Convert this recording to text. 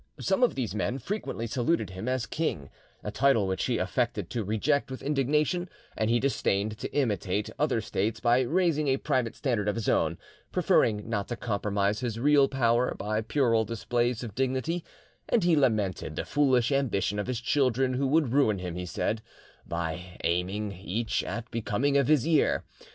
Some of these men frequently saluted him as King, a title which he affected to reject with indignation; and he disdained to imitate other states by raising a private standard of his own, preferring not to compromise his real power by puerile displays of dignity; and he lamented the foolish ambition of his children, who would ruin him, he said, by aiming, each, at becoming a vizier.